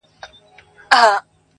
احسان نه مني قانون د زورورو-